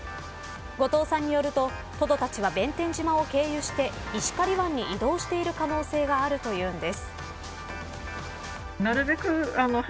後藤さんによるとトドたちは弁天島を経由して石狩湾に移動している可能性があるというんです。